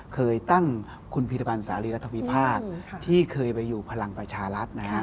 เคยตั้งคุณพิรพันธ์สารีรัฐวิพากษ์ที่เคยไปอยู่พลังประชารัฐนะฮะ